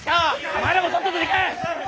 お前らもさっさと行け！